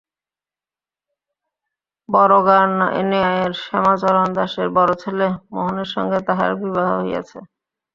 বড়গার নায়েব শ্যামাচরণ দাসের বড়ছেলে মোহনের সঙ্গে তাহার বিবাহ হইয়াছে।